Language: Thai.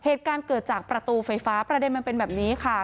เหตุการณ์เกิดจากประตูไฟฟ้าประเด็นมันเป็นแบบนี้ค่ะ